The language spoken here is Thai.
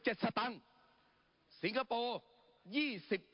ปรับไปเท่าไหร่ทราบไหมครับ